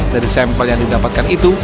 dari sampel yang didapatkan itu